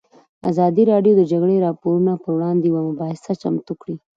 ازادي راډیو د د جګړې راپورونه پر وړاندې یوه مباحثه چمتو کړې.